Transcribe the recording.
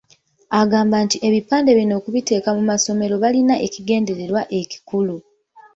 Agamba nti ebipande bino okubiteeka mu ssomero baalina ekigendererwa ekikulu.